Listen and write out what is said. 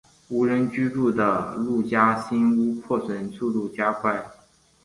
无人居住的陆家新屋破损速度加快。